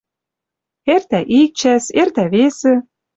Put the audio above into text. Эртӓ ик чӓс, эртӓ весӹ